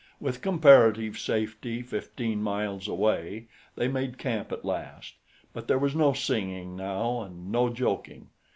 With comparative safety fifteen miles away, they made camp at last; but there was no singing now and no joking.